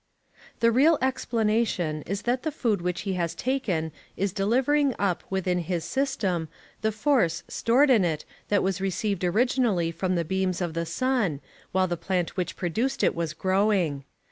The real explanation is that the food which he has taken is delivering up, within his system, the force stored in it that was received originally from the beams of the sun, while the plant which produced it was growing.